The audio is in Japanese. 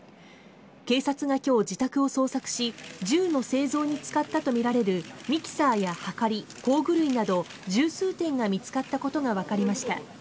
警察が今日、自宅を捜索し銃の製造に使ったとみられるミキサーやはかり工具類など十数点が見つかったことが分かりました。